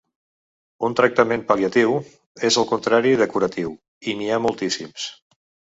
Un tractament pal·liatiu és el contrari de curatiu, i n’hi ha moltíssims.